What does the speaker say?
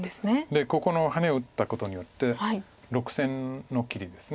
でここのハネを打ったことによって６線の切りです。